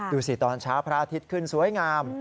ดูสิตอนเช้าพระอาทิตย์ขึ้นสวยงาม